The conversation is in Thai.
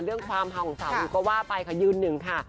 เรื่องความเผาของสาวลิวก็ว่าไปค่ะยืน๑ค่ะ